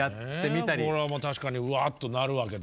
これはもう確かにうわっとなるわけだ。